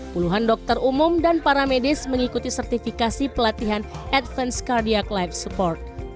puluhan dokter umum dan para medis mengikuti sertifikasi pelatihan advance cardiac life support